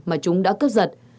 mà chúng đã cướp giật